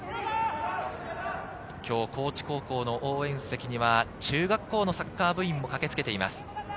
今日、高知高校の応援席には中学校のサッカー部員も駆けつけています。